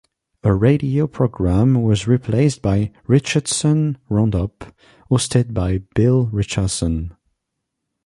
Her radio program was replaced by "Richardson's Roundup", hosted by Bill Richardson.